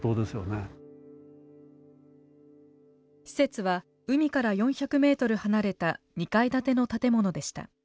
施設は海から４００メートル離れた２階建ての建物でした。